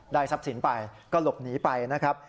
ทรัพย์สินไปก็หลบหนีไปนะครับ